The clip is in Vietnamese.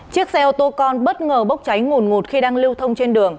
chiếc xe ô tô con bất ngờ bốc cháy ngồn ngụt khi đang lưu thông trên đường